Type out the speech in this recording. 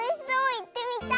いってみたい！